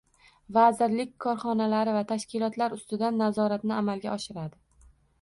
Vazirlik korxonalari va tashkilotlar ustidan nazoratni amalga oshiradi.